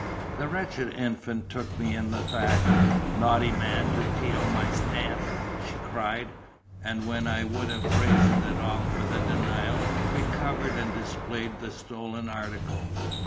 The wretched infant took me in the fact. "Naughty man, to 'teal my 'tamp!" she cried; and when I would have brazened it off with a denial, recovered and displayed the stolen article.